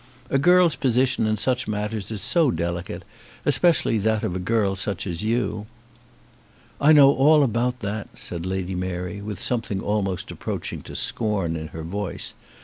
A girl's position in such matters is so delicate, especially that of such a girl as you!" "I know all about that," said Lady Mary, with something almost approaching to scorn in her tone.